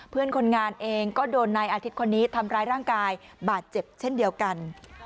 เพื่อนคนงานเองก็โดนนายอาทิตย์คนนี้ทำร้ายร่างกายบาดเจ็บเช่นเดียวกัน